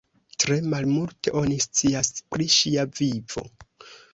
Tre malmulte oni scias pri ŝia vivo.